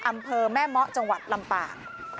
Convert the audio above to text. อำเภอแม่เมาะจังหวัดลำปาง